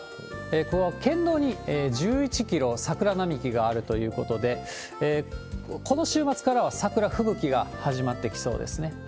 ここは県道に１１キロ、桜並木があるということで、この週末からは桜吹雪が始まってきそうですね。